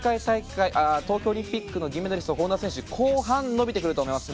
東京オリンピック銀メダリストの本多選手は後半伸びてくると思います。